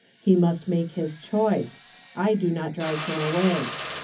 He must make his clioice ; I do not drive liini away.